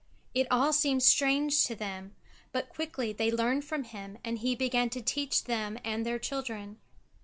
It all seemed strange to them, but quickly they learned from him, and he began to teach them and their children.